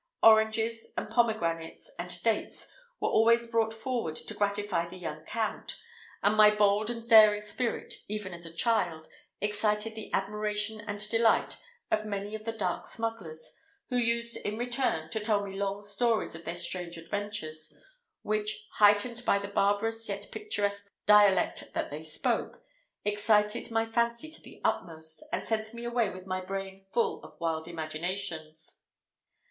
Oranges, and pomegranates, and dates, were always brought forward to gratify the young Count, and my bold and daring spirit, even as a child, excited the admiration and delight of many of the dark smugglers, who used, in return, to tell me long stories of their strange adventures, which, heightened by the barbarous yet picturesque dialect that they spoke, excited my fancy to the utmost, and sent me away with my brain full of wild imaginations.